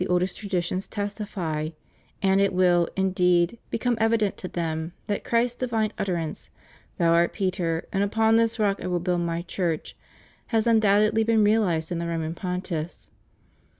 307 oldest traditions testify, and it will, indeed, become evi dent to them that Christ's divine utterance, Thou art Peter, and upon this rock I will build My Church, has un doubtedly been realized in the Roman Pontiffs.